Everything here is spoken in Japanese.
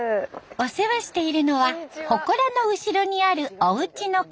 お世話しているのはほこらの後ろにあるおうちの方。